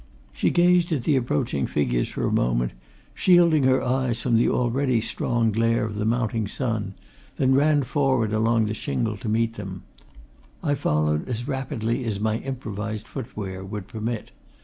She gazed at the approaching figures for a moment, shielding her eyes from the already strong glare of the mounting sun, then ran forward along the shingle to meet them; I followed as rapidly as my improvised foot wear would permit.